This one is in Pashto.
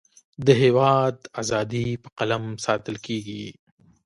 د هیواد اذادی په قلم ساتلکیږی